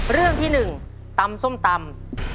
เรื่องที่๑ตำส้มตำ